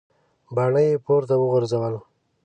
باڼه یې پورته وغورځول.